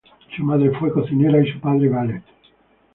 Su madre fue cocinera y su padre valet.